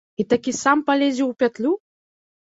І такі сам палезе ў пятлю?